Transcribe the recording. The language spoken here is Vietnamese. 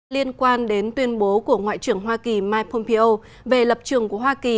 liên quan đến tuyên bố của ngoại trưởng hoa kỳ mike pompeo về lập trường của hoa kỳ